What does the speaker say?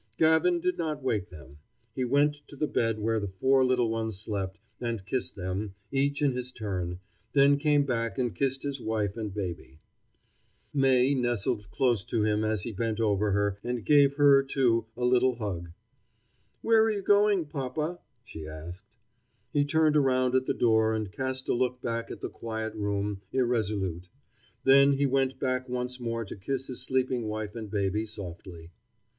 Gavin did not wake them. He went to the bed where the four little ones slept, and kissed them, each in his turn, then came back and kissed his wife and baby. May nestled close to him as he bent over her and gave her, too, a little hug. "Where are you going, papa?" she asked. He turned around at the door and cast a look back at the quiet room, irresolute. Then he went back once more to kiss his sleeping wife and baby softly.